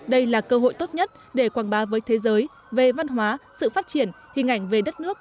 đây là cơ hội tốt nhất để quảng bá với thế giới về văn hóa sự phát triển hình ảnh về đất nước